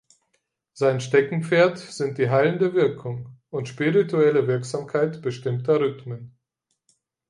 Sein Steckenpferd sind die heilende Wirkung und spirituelle Wirksamkeit bestimmter Rhythmen.